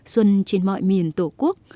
xuân trên mọi miền tổ quốc